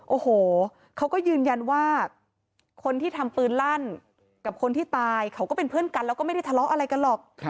โอ้โหเขาก็ยืนยันว่าคนที่ทำปืนลั่นกับคนที่ตายเขาก็เป็นเพื่อนกันแล้วก็ไม่ได้ทะเลาะอะไรกันหรอก